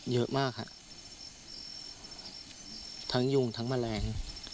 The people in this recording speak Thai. เยอะมากฮะทั้งยุงทั้งแมลง